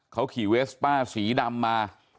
เขาขี่เวสป้าสีดำมา